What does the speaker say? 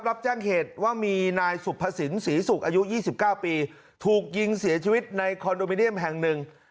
รับแจ้งเหตุว่ามีนายสุภสินศรีศุกร์อายุ๒๙ปีถูกยิงเสียชีวิตในคอนโดมิเนียมแห่งหนึ่ง